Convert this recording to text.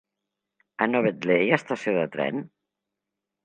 A Novetlè hi ha estació de tren?